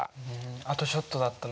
あとちょっとだったのにね。